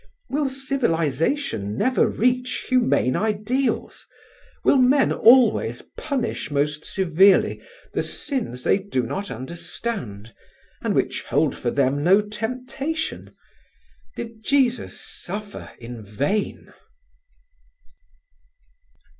Will civilisation never reach humane ideals? Will men always punish most severely the sins they do not understand and which hold for them no temptation? Did Jesus suffer in vain?